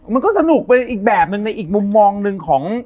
มันก็สนุกไปอีกแบบหนึ่งในอีกมุมมองหนึ่งของ